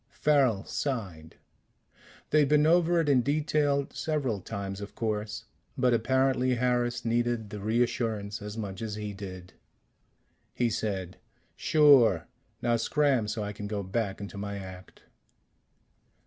Farrel sighed. They'd been over it in detail several times, of course, but apparently Harris needed the reassurance as much as he did. He said: "Sure. Now scram so I can go back into my act."